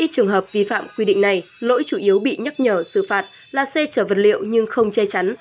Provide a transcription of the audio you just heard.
hai mươi trường hợp vi phạm quy định này lỗi chủ yếu bị nhắc nhở xử phạt là xe chở vật liệu nhưng không che chắn